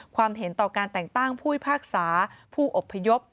ความเห็นต่อการแต่งตั้งผู้อย่ปรากษาผู้อบพยบ